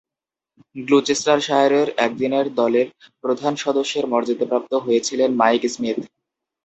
গ্লুচেস্টারশায়ারের একদিনের দলের প্রধান সদস্যের মর্যাদাপ্রাপ্ত হয়েছিলেন মাইক স্মিথ।